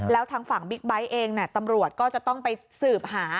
แล้วทางฝั่งบิ๊กไบท์เองตำรวจก็จะต้องไปสืบหา